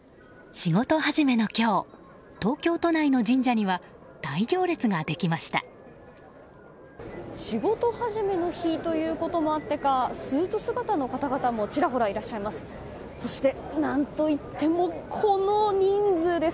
仕事始めの日ということもあってかスーツ姿の方々もちらほらいらっしゃいます。